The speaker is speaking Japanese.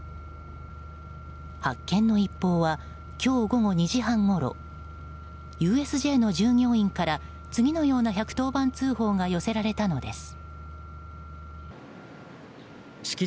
発見の一報は今日午後２時半ごろＵＳＪの従業員から次のような１１０番通報が寄せられたのです。